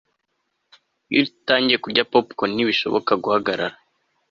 Iyo utangiye kurya popcorn ntibishoboka guhagarara